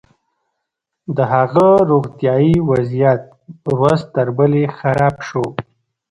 د هغه روغتيايي وضعيت ورځ تر بلې خراب شو.